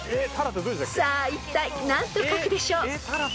［さあいったい何と書くでしょう？］